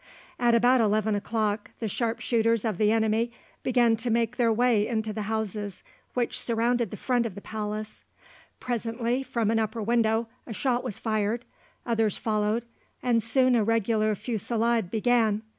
At about eleven o'clock the sharpshooters of the enemy began to make their way into the houses which surrounded the front of the palace. Presently from an upper window a shot was fired; others followed, and soon a regular fusilade began.